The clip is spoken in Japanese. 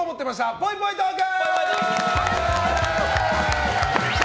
ぽいぽいトーク！